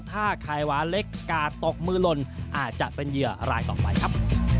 ถ้าไข่หวานเล็กกาดตกมือลนอาจจะเป็นเหยื่อรายต่อไปครับ